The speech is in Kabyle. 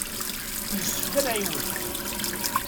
Yessefk ad nɛiwez.